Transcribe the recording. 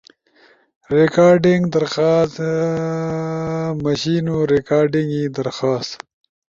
ریکارڈنگ درخواست، مُݜینو ریکارڈنگ ئی درخواست